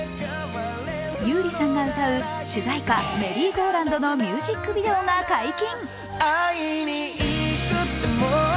優里さんが歌う主題歌「メリーゴーランド」のミュージックビデオが解禁。